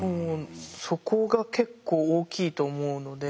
そこが結構大きいと思うので。